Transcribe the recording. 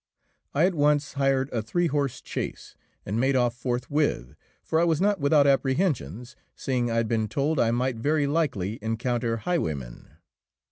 I at once hired a three horse chaise, and made off forthwith, for I was not without apprehensions, seeing I had been told I might very likely encounter highwaymen.